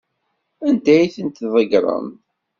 Anda ay tent-tḍeggrem?